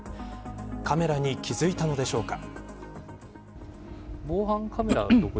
カメラに気づいたのでしょうか。